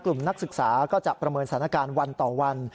นักศึกษาก็จะประเมินสถานการณ์วันต่อวัน